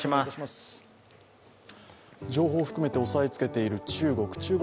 情報を含めて押さえつけている中国。